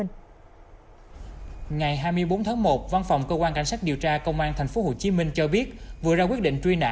ngày hai mươi bốn tháng một văn phòng cơ quan cảnh sát điều tra công an tp hcm cho biết vừa ra quyết định truy nã